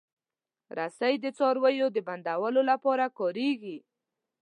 رسۍ د څارویو د بندولو لپاره کارېږي.